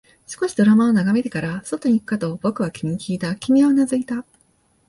少しドラマを眺めてから、外に行くかと僕は君にきいた、君はうなずいた